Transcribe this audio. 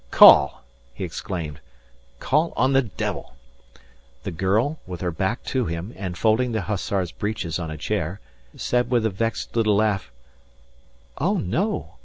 "Call!" he exclaimed. "Call on the devil." The girl, with her back to him and folding the hussar's breeches on a chair, said with a vexed little laugh: "Oh, no!